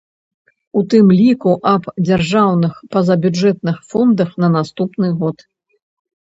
У тым ліку аб дзяржаўных пазабюджэтных фондах на наступны год.